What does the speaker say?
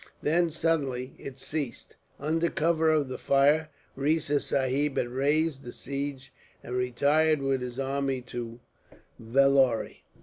Then suddenly, it ceased. Under cover of the fire, Riza Sahib had raised the siege, and retired with his army to Vellore.